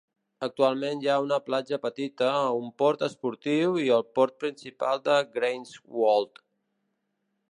Actualment hi ha una platja petita, un port esportiu i el port principal de Greifswald.